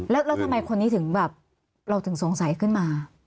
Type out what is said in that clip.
แล้วทำไมคนนี้ถึงแบบเราถึงสงสัยขึ้นมา